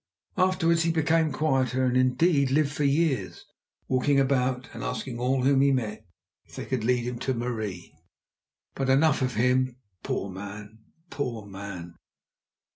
Afterwards he became quieter, and, indeed, lived for years, walking about and asking all whom he met if they could lead him to Marie. But enough of him—poor man, poor man!